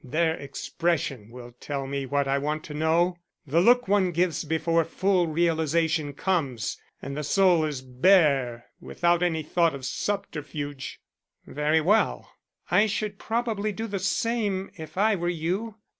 Their expression will tell me what I want to know; the look one gives before full realization comes and the soul is bare without any thought of subterfuge." "Very well. I should probably do the same if I were you.